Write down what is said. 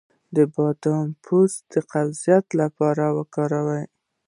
د بادام پوستکی د قبضیت لپاره لرې کړئ